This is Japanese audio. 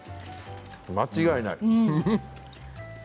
間違いない。